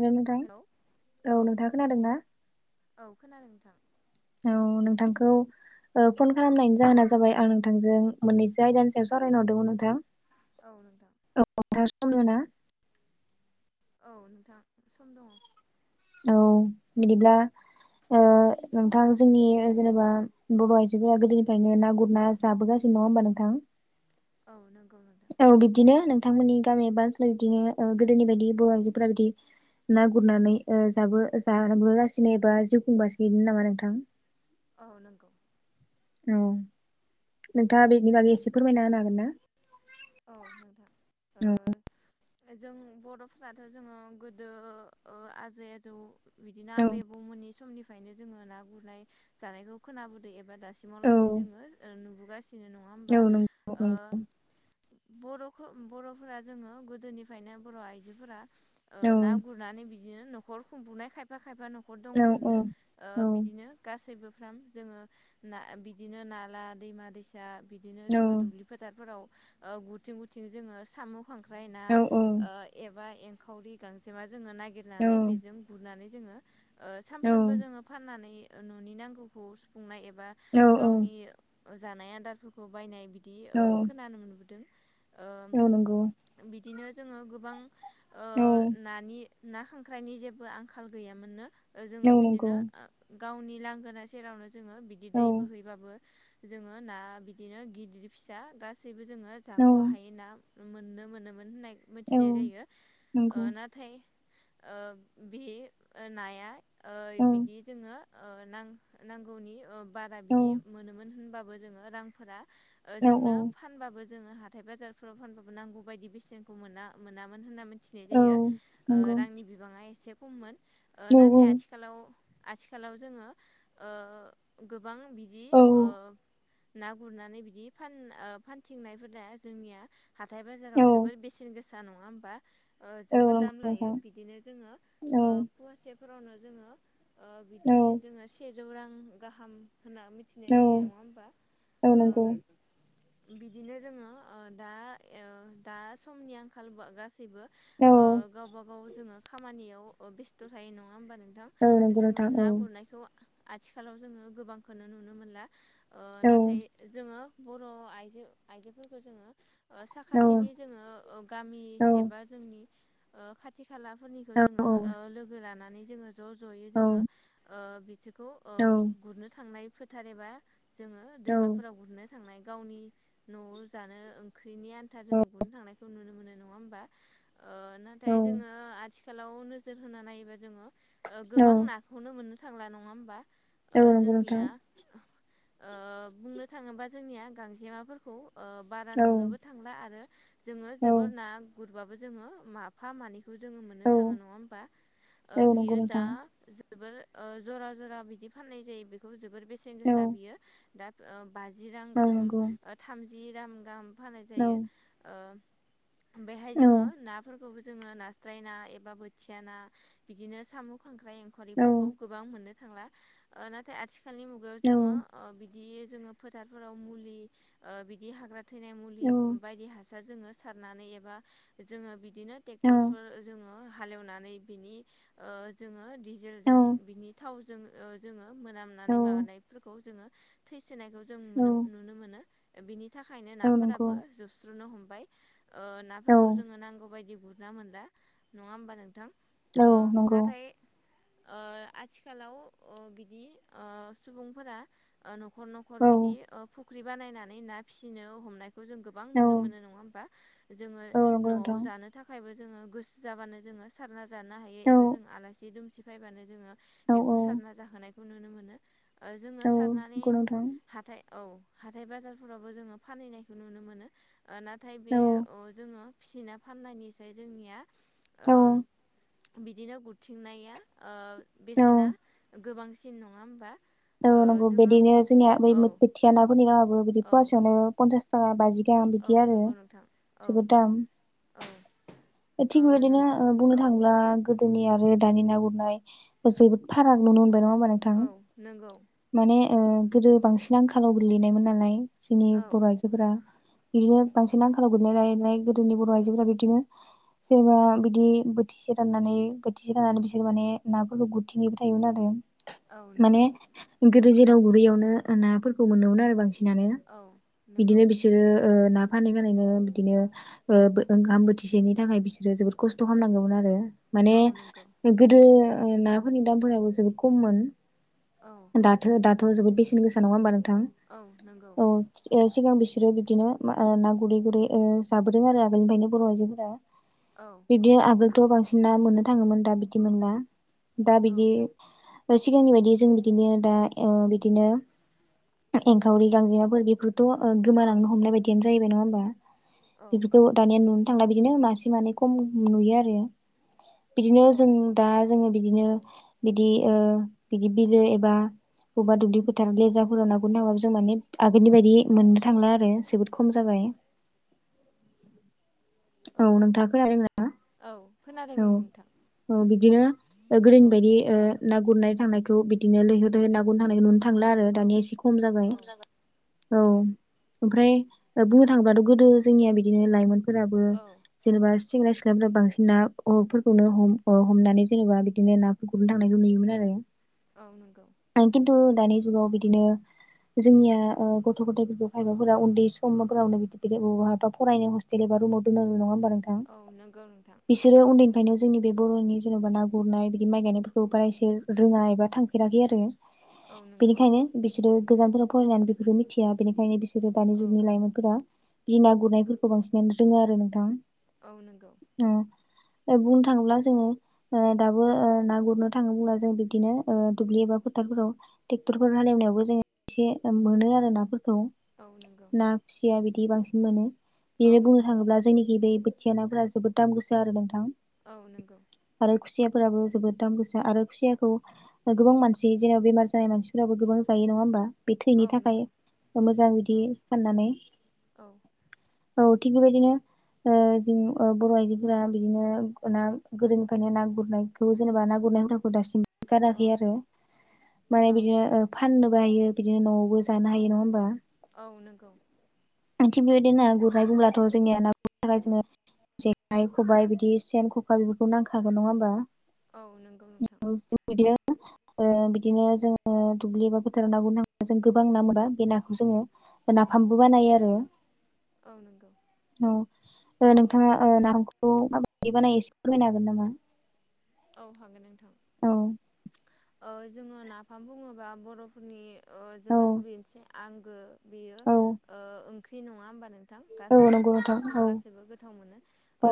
हेल' नोंथां हेलौ औ नोंथाङा खोनादों ना? औ खोनादों नोंथां औ नोंथां [unintelligible] [unintelligible] फन खालामनायनि जाहोना जाबाय आं नोंथांजों मोननैसो आयदानि सायाव सावरायनो हरदोंमोन नोंथां। औ। [unintelligible] औ नोंथां सम दङ। औ बिदिब्ला ओ नोंथां जोंनि जेनेबा बर' आइजोफोरा गोदोनिफ्रायनो ना गुरना जाबोगासिनो नङा होनबा नोंथां? औ नंगौ। नोंथां औ बिदिनो नोंथांमोननि गामि एबा ओनसोलाव बिदिनो गोदोनि बायदि बर' आइजोफोरा बिदि ना गुरनानै जाबो जाबोगासिनो एबा जिउ खुंगासिनोनो नामा नोंथां औ नंगौ औ नोंथाङा बेनि बागै एसे फोरमायना होनो हागोन ना औ नोंथां औ ओ जों बर'फोराथ' जोङो गोदो आजै आजौ बिदिनो औ आबै बौमोननि समनिफ्रायनो जोङो ना गुरनाय जानायखौ खोनाबोदों दासिमाव औ लासै जोङो नुबोगासिनो नङा होनबा औ नंगौ ओ नंगौ बर' बर'फोरा जोङो गोदोनिफ्रायनो बर' आइजोफोरा औ ना गुरनानै बिदि बिदिनो न'खर खुंबुंनाय खायफा खायफा न'खर दङमोननो ओ बिदिनो गासैबो फाम जोङो ना बिदिनो नाला दैमा दैसा बिदिनो जोङो दुब्लि फोथारफोराव गुरथिं गुरथिं जोङो सामु खांख्राइ ना एबा एंखावरि गांजेमा ओ जोङो नागिरनानै बेजों गुरनानै जोङो सानफ्रोमबो जोङो फाननानै न'नि नांगौखौ सुफुंनाय एबा गावनि जानाय आदारफोरखौ बायनाय बि ओ खोनानो मोनबोदों ओ औ नंगौ। बिदिनो जोङो गोबां ओ औ नानि ना खांख्राइनि जेबो आंखाल गैयामोननो जोङो बिदिनो गावनि लांगोना सेरावनो जोङो बिदि दै बोहैबाबो जोङो ना बिदिनो गिदिर फिसा गासैबो जोङो जाख' हायो ना मोननो मोनोमोन होननाय मिथिनाय जायो ओ नाथाय ओ बे नाया ओ बिदि दोंङो ओ नां नांगौनि बारा बिदि मोनोमोन होनबाबो जोङो रांफोरा ओजोंनो फानबाबो जोङो हाथाय बाजारफोराव फानबाबो नांगौ बायदि बेसेनखौ मोना मोनामोन होनना मिथिनाय जायो ओ रांनि बिबांङा एसे खममोन नाथाय आथिखालाव आथिखालाव जोङो ओ गोबां बिदिओ ना गुरनानै बिदि फान ओ फानथिंनाय हुदा जोंनिया हा--थाय बाजाराव जोबोर बेसेन गोसा नङा होमबा जोबोद दाम लायो बिदिनो जोङो फवासेफोरावनो जोङो ओ बिदि जोङो सेजौ रां गाहाम होनना मिथिनाय जायो नङा होमबा। बिदिनो जोङो दा दा समनि आंखाल गासैबो ओ गावबा गाव जोङो खामानियाव बेस्थ' थायो नङा होनबा नोंथां जोङो ना गुरनायखौ आथिखालाव जोङो गोबांखौनो नुनो मोनला ओ नाथाय जोङो बर' आइ आइजोफोरखौ जोङो साखाथिनि जोङो ओ गामि एबा जोंनि खाथि खाथि खाला फोरनिखौ जोङो लोगो लानानै जोङो ज' ज' जोङो ओ बिदि ओ गुरनो थांनाय फोथार एबा जोङो दैमाफोराव गुरनो थांनाय गावनि न'आव जानो ओंख्रिनि आनथा जोङो गुरनो थांनायखौ नुनो मोनो नङा होमबा ओ नाथाय जोङो आथिखालाव नोजोर होना नायोबा जोङो गोबां नाखौनो मोननो थांला नङा औ होमबाओ नंगौ नोंथां जोंनिया ओ बुंनो थाङोबा जोंनिया गांजेमाफोरखौ बारा औ नुनोबो थांला आरो जोङो औ जोबोर ना गुरबाबो जोङो माफा मानै जोङो मोननो औ थाङो नङा होमबा औ नंगौ बियो दा नोंथां जोबोर जरा जरा बिदि फाननाय जायो बेखौ जोबोर बेसेन औ गोसा बियो दा बाजि रां औ गाहाम नंगौ थामजि रां गाहाम फाननाय औ जायोत बेहाय औ जोङो नाफोरखौबो जोङो नास्राय ना एबा बोथिया ना बिदिनो साम' खांख्राइ औ एंखरिफोरखौ गोबां मोननो थांला नाथाय आथिखाल मुगायाव औ जोङो बिदि जोङो फोथारफोराव मुलि बिदि ओ हाग्रा थैनाय मुलि बायदि हास फा जोङो सारनानै एबा जोङो बिदिनो औ थेखथोरजोङो हालेवनानै बिनि ओ जोङो औ जेलजों बिनि थावजों जोङो औ मोननानै माबानायफोरखौ जोङो थैनायखौ जों औ नुनो मोनो थाखायनो औ नंगौ नाफोराबो जोबस्रुनो हमबाय औ नाफोरखौ जोङो नांगौ बायदि गुरना मोनला नङा होमबा नोंथां ओ औ नंगौ नाथाय ओ आथिखालाव अ बिदि ओ सुबुंफोरा ओ न'खर औ न'खर बिदि फुख्रि बानायनानै ना फिसिनो हमनाय खौ जों गोबां औ नुनो मोनो नङा होमबा जोङो औ नंगौ न'आव नोंथां जानो थाखायबो जोङो गोसो जाबानो जोङो सारना जानो हायो औ एबा जों आलासि दुमसि फैबानो जोङो औ बेखौ सारना जाहोनायखौ नुनो मोनो जोङो औ सारनानै नंगौ नोंथां हाथाय औ हाथाय बाजारफोरावबो जोङो फानहैनायखौ नुनो मोनो नाथाय बे औ जोङो फिसिना फाननायनिसाय जोंनिया औ ओ बिदिनो गुरथिंनाया औ बेसेना गोबांसिन नङा होमबा ओ औ नंगौ जोङो बिदिनो जोंनिया ब औ बोथिया नाफोरनि नामाबो बिदि औ फवासेयावनो पनसास थाखा बाजि गाहाम औ बिदि आरो नंगौ नोंथां औ जोबोद दाम औ ओ थिग नों बेबायदिनो बुंनो औ [unintelligible] जोंनि आरो दानि ना गुरनाय जोबोद फाराग नुनो मोनबाय नामा औ नंगौ। गोदो बांसिन आंखालाव गोलैनायमोन नालाय जोंनि औ बर' आइजोफोरा बिदिनो बांसिन आंखालाव गोदनाय रायनाय गोदोनि बर' आइजोफोरा बिदिनो सोरेनबा बिदि बोथिसे राननानै बोथिसे राननानै बिसोर माने नाफोरखौ गुरथिंैबो थायोमोन आरो औ नंगौ माने गोदो जेराव गुरैयावनो नाफोरखौ मोननो मोनो आरो बांसिनानो औ नंगौ बिदिनो बिसोरो न फानै बानायनो बिदिनो ओंखाम बोथिसेनि थाखाय बिसोरो जोबोद खस्थ' खालामनांगौमोन आरो माने औ नंगौ गोदो नाफोरनि दामफोराबो जोबोद खममोन औ दाथ दाथ' जोबोद बेसेन गोसा नङा होमबा नोंथां औ नंगौ औ सिगां बिसोरो बिदिनो ना गुरै गुरै जाबोदों आरो आगोलनिफ्रायनो बर' आइजोफोरा औ बिब्दि आगोलथ' बांसिना मोननो थाङोमोन दा बिदिमोनला दाब औ ग सिगांनि बायदि जों बिदिनो दा बिदिनो एंखावरि गांजेमाफोर बे औ गोमालांनो हमनाय बायदियनो जाहैबाय नङा हबा औ बेफोरखौ दानिया नुनो थांला बिदिनो मासे मानै खम नुयो आरो बिदिनो जों दा जो बिदिनो बिदि ओ बिदि बिलो एबा बबेबा दुब्लि फोथार लेेजाफोराव ना गुरनो थांबाबो जों माने आगोलनि बायदि मोननो थांला आरो जोबोद खम जाबाय औ [unintelligible] औ खोनादों औ नोंथां औ बिदिनो औ गोदोनि बायदि ओ ना गुरनाय थांनायखौ बिदि लैहोर लैहोर गनो थांनाय नुदों थांला आरो औ दानिया एसे खम जाबाय औ ओमफ्राय ओ बुंनो थाङोबाथ' गोदो जोंनिया बिदिनो लाइमोनफोरा औ औ [unintelligible] बांसिन नाफोरखौनो हम हमनानै जेनेबा बिदिनो नाफोरखौनो थांनायखौ नुयोमोन आरो। औ नंगौ। [unintelligible] दानि जुगाव बिदिनो जोंनिया ओ गथ' गथायफोरखौ खायफाफोरा उन्दै समफोरावनो बि बबहाबा फरायनाय हस्टेल एबा रुमाव नङा हबा नोंथां औ नंगौ नोंथां बिसोरो उन्दै ओंखायनो जोंनि बे बर'नि जेन'बा ना गुरनाय बिदि माइ गायनायफोरखौ बारा एसे रोङा एबा थांफेराखै आरो औ नंगौ बेनिखायनो बिसोरो गोजानथानाव फरायनानै बेफोरखौ मिथिया बेनिखायनो बिसोर जे दानि औ जुगनि लाइमोनफोरा बि ना गुरनायफोरखौ बांसिनानो रोङो आरो नोंथां। औ नंगौ। ओ बुंनो थाङोब्ला जोङो ओ दाबो ओ ना गुरनो थाङो बुंब्ला जों बिब्दिनो दुब्लियाव बा फोथाराव ट्रेकटर हालेवनाय जों एसे मोनो आरो ना। ओ औ नंगौ ना खुसिया बिदि बांसिन मोनो औ बिदिनो बुंनो नंगौ थाङोब्ला जोंनिखि बे खेनायफोरा जोबोद दाम गोसा आरो नोंथां। औ नंगौ। आरो खुसियाफोराबो जोबोद दाम गोसा आरो खुसियाखौ गोबां मानसि जेराव बेमार जानाय मानसिफोराबो गोबां जायो। नङा होमबा? बे थैनि औ थाखाय नंगौ मोजां बिदि औ साननानै औ औ। थिग बेबायदिनो ओ जों बर' आइजोफोरा बिदिनो ना गोदोनिफ्रायनो ना गुरनायखौ जेनेबा ना गुर ना गुरनाय हुदाखौ दासिमबो औ गाराखै आरो माने औ बिदिनो फान्नो जायो बिदिनो न'आवबो जानो हायो नङा होमबा। औ नोंगौ। थिग बेबायदिनो ना गुरनाय बुंब्लाथ' जोंनिया ना गुरनो थाखाय जोंनो जेखाइ खबाय बिदि सेन ककार फोरखौ नांखागोन नङा होनबा? औ नंगौ नोंथां। ओ बिदिनो जोङो ओ दुब्लि एबा बोथोराव ना गुरनो थांबा जों गोबां ना मोनबा बे नाखौ जोङो नाफामबो बानायो आरो। आरो औ नंगौ। ओ नोंथाङा नाफामखौ माबायदि बानायो एसे फोरमायनो हागोन नामा? औ हागोन नोंथां। औ। ओ जोङो नाफाम बुङोबा बर'फोरनि औ जोबोर मोनसे आंगो बेयो औ ओ ओंख्रि नङा होमबा नों नोंथां औ गासैबो नंगौ नोंथां औ [unintelligible] गासैबो गोथाव मोनो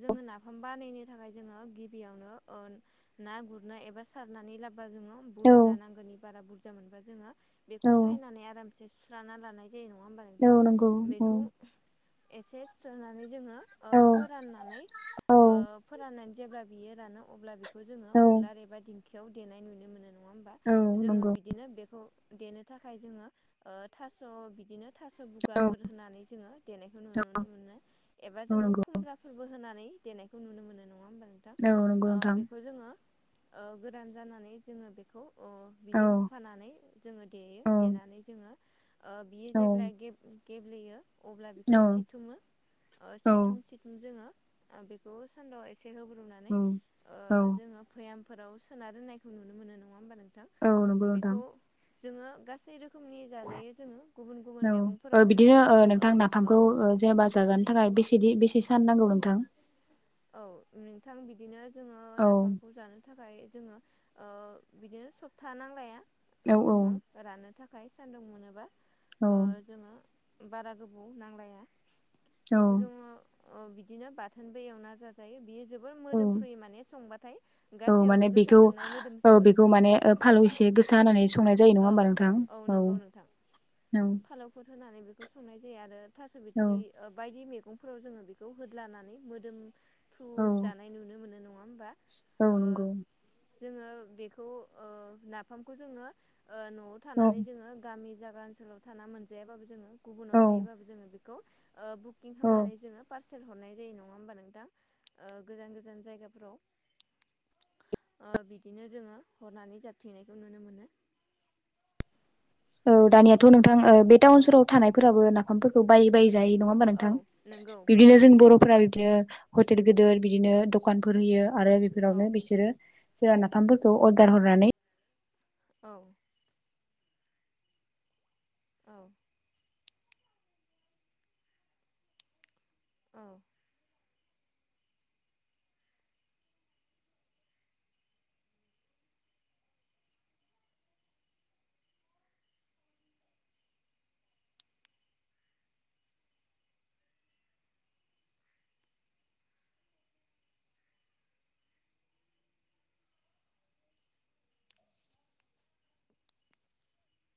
जोंङो नाफाम बानायनो थाखाय जोङो गिबियावनो ओ ना गुरनो एबा सारनानै लाबो बा औ बुरजा नांगोनि बारा बुरजा मोनबा जोङो बेखौ औ सायनानै आरामसे सुस्रा लानाय जायो नङा होबा औ नोंथां नंगौ औ बेखौ एसे सोनानै जोङो ओ औ फोराननानै औ ओ फोरनानै जेब्ला बियो रानो अब्ला बेखो बेखौ जोङो औ उलार नंगौ एबा दिंखियाव देनाय नुनो मोनो नङा होमबा औ जोङो नंगौ बिदिनो बेखौ देनो थाखाय जोङो ओ थास' बिदिनो थास' बुगाफोर होनानै जोङो देनायखौ नुनो मोनो एबा जोङो खुमब्राफोरबो होनानै देनायखौ नुनो मोनो नङा होमबा। नोंथां औ नंगौ ओ नोंथां। बेखौ जोङो ओ गोदान जानानै जोङो बेखौ अ औ बिजों होफानानै जोङो देयो औ देनानै जोङो ओ बियो औ जेब्ला गे गेब्लेयो अब्ला बेखौ औ सिथुमो ओ सिथुम सिथुम जोङो बेखौ सान्दुंआव एसे होब्रुनानै औ। भ'यामफोराव सोना दोननायखौ नुनो मोनो नङा होमबा नोंथां। औ नोंगौ नोंथां। बेखौ जोङो गासै रो औ ओ मैगंफोराव जोङो बिदिनो ओ नोंथां औ नाफामखौ ओ जेनेबा जागानो थाखाय बेसेदि बेसे सान नांगौ नोंथां? औ नोंथां बिदिनो जोङो औ नाफामखौ जानो थाखाय‌ जोङो ओ बिदिनो सप्ता नांलाया औ ओ जोङो राननो थाखाय थाखाय सान्दुं मोनोबा औ ओ जोङो बारा गोबाव नांलाया औ बेखौ जोङो बिदिनो बाथोनबो एवना जाजायो बेयो औ मोदोमफ्रुयो माने संबाथाय औ माने गासैयावबो गोसार बेखौ जोबनाय औ मोदोमजोबो बेखौ माने ओ फालौ एसे गोसा होनानै संनाय जायो नङा औ होमबा नोंथां औ नंगौ नोंथां औ औ फालौफोर होनानै बेखौ संनाय जायो आरो थास' औ बिथरि बायदि मैगंफोराव जोङो बेखौ होद्लानानै मोदोम थ्रु औ जानाय नुनो मोनो नङा होमबा औ ओ नंगौ जोङो बेखौ ओ नाफामखौ जोङो ओ न'आव औ थानानै जोङो गामि आ ओनसोलाव थाना मोनजाया बाबो जोङो गुबुनाव औ थायैबाबो जोङो बिखौ ओ बुकिं औ खामनानै जोङो पार्स सेल हरनाय जायो नङा होमबा नोंथा ओ गोजान गोजान जायगाफोराव ओ बिदिनो जोङो हरनानै जाबथिंनायखौ नुनो मोनो औ दानियाथ' नोंथां ओ बे औ टाउन सहराव थानायफोराबो नाफामफोरखौ बायै बायै जायो नङा होमबा औ नोंथां नंगौ गोबां बिदिनो जों नुयो बर'फोरा बिदिनो हटेल गिदोर बिदिनो दकानफोर होयो आरो औ बेफोरावनो बिसोरो सोरा नाफामफोरखौ अर्डार हरनानै औ औ औ